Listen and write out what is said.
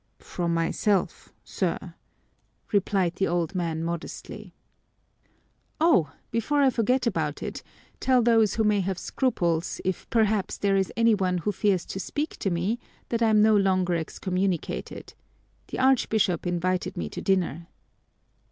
"From myself, sir," replied the old man modestly. "Oh, before I forget about it tell those who may have scruples, if perhaps there is any one who fears to speak to me, that I'm no longer excommunicated. The Archbishop invited me to dinner."